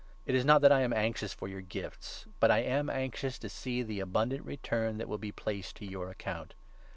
It is not that I am anxious for your gifts, 17 but I am anxious to see the abundant return that will be placed to your account.